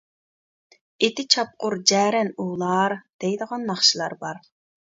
«ئېتى چاپقۇر جەرەن ئوۋلار» دەيدىغان ناخشىلار بار.